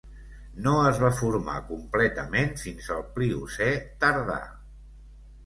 No es va formar completament fins al Pliocè tardà.